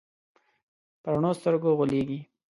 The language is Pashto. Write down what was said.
په رڼو سترګو غولېږي.